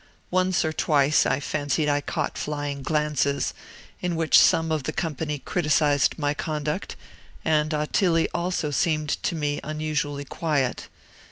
Once or twice I fancied I caught flying glances, in which some of the company criticised my conduct, and Ottilie also seemed to me unusually quiet.